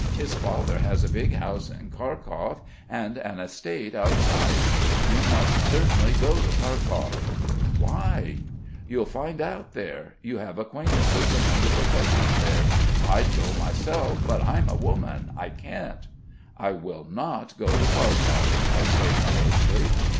His father has a big house in Kharkov and an estate outside. You must certainly go to Kharkov." "Why?" "You'll find out there. You have acquaintances among the professors there. I'd go myself. But I'm a woman. I can't." "I will not go to Kharkov," I say morosely.